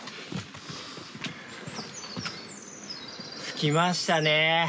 着きましたね。